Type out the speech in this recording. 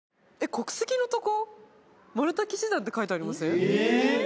国籍のとこマルタ騎士団って書いてありますよ